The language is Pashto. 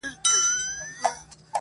گراني خبري سوې پرې نه پوهېږم.